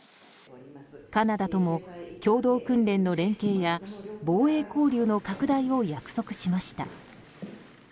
カナダとも共同訓練の連携や防衛交流の拡大を約束しました。